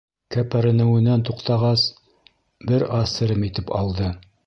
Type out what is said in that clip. Кәпәренеүенән туҡтағас, бер аҙ серем итеп алды.